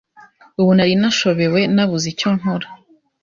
Ubu nari nashobewe nabuze icyo nkora